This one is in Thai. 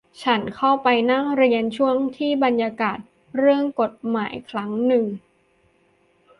ฉันเข้าไปนั่งเรียนช่วงที่บรรยายเรื่องกฎหมายครั้งนึง